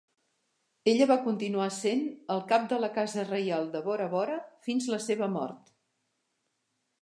Ella va continuar sent el cap de la casa reial de Bora Bora fins la seva mort.